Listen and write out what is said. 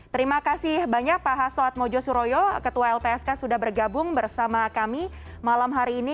terima kasih banyak pak haso atmojo suroyo ketua lpsk sudah bergabung bersama kami malam hari ini